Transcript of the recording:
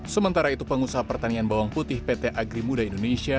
sementara itu pengusaha pertanian bawang putih pt agri muda indonesia